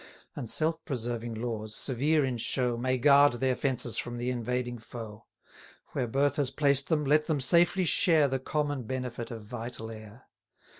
And self preserving laws, severe in show, May guard their fences from the invading foe. Where birth has placed them, let them safely share The common benefit of vital air.